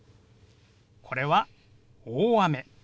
これは「大雨」。